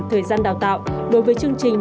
thời gian đào tạo đối với chương trình